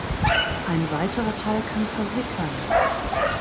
Ein weiterer Teil kann versickern.